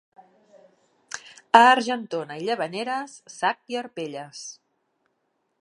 A Argentona i Llavaneres, sac i arpelles.